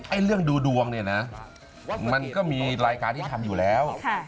เรื่องดูดวงเนี่ยนะมันก็มีรายการที่ทำอยู่แล้ว